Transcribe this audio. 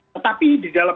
tetapi di dalam